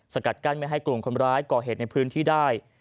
กัดกั้นไม่ให้กลุ่มคนร้ายก่อเหตุในพื้นที่ได้